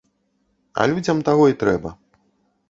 А людзям таго і трэба.